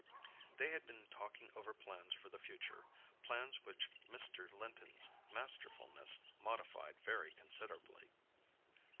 They had been talking over plans for the future, plans which Mr. Linton's masterfulness modified very considerably.